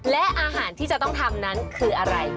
และอาหารที่จะต้องทำนั้นคืออะไร